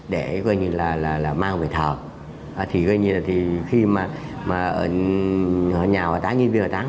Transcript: để coi như là mang về thờ thì coi như là khi mà nhà hỏa táng nhân viên hỏa táng